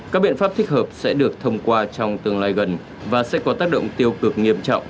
các biện pháp thích hợp sẽ được thông qua trong tương lai gần và sẽ có tác động tiêu cực nghiêm trọng